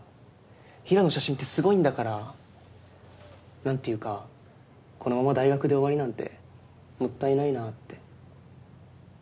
平良の写真ってすごいんだから。なんていうかこのまま大学で終わりなんてもったいないなって。